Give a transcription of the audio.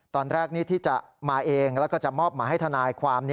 ตอนแรกนี้ที่จะมาเองแล้วก็จะมอบหมายให้ทนายความ